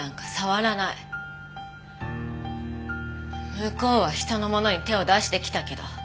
向こうは人のものに手を出してきたけど。